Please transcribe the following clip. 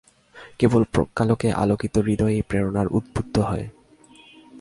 কেবল প্রজ্ঞালোকে আলোকিত হৃদয়ই প্রেরণায় উদ্বুদ্ধ হয়।